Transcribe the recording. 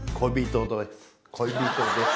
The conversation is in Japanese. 恋人です。